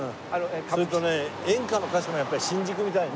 それとね演歌の歌手もやっぱり新宿みたいだね